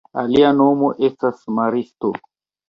Alia nomo estas maristo.